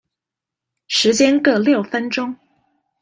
時間各六分鐘